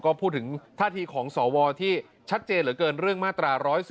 ก็พูดถึงท่าทีของสวที่ชัดเจนเหลือเกินเรื่องมาตรา๑๑๒